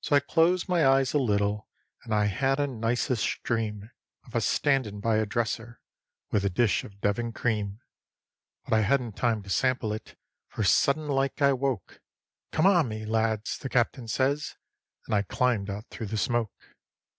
So I closed my eyes a little, and I had a niceish dream Of a standin' by a dresser with a dish of Devon cream; But I hadn't time to sample it, for suddenlike I woke: "Come on, me lads!" the Captain says, 'n I climbed out through the smoke.